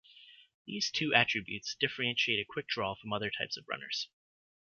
These two attributes differentiate a quickdraw from other types of runners.